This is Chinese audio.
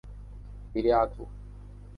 比里阿图。